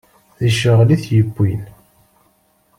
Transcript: D ccɣel i t-yewwin.